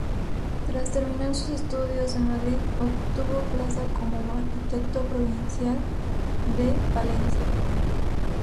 Tras terminar sus estudios en Madrid, obtuvo plaza como arquitecto provincial de Palencia.